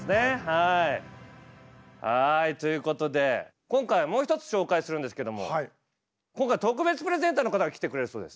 はいということで今回はもう一つ紹介するんですけども今回は特別プレゼンターの方が来てくれるそうです。